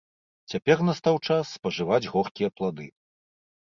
Цяпер настаў час спажываць горкія плады.